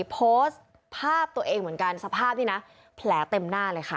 โพสต์ภาพตัวเองเหมือนกันสภาพนี้นะแผลเต็มหน้าเลยค่ะ